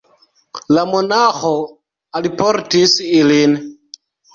La monaĥo alportis ilin.